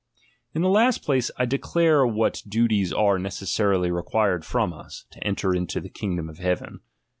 In the last i)lace, I declare what duties are ne issarily required from us, to enter into the king dom of heaven.